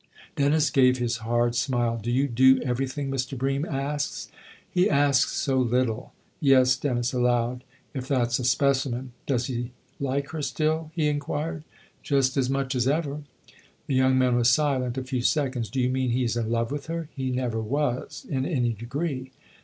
Dennis gave his hard smile. " Do you do every thing Mr. Bream asks ?" 122 THE OTHER HOUSE " He asks so little !"" Yes," Dennis allowed " if that's a specimen ! Does he like her still ?" he inquired. " Just as much as ever." The young man was silent a few seconds. " Do you mean he's in love with her ?"" He never was in any degree."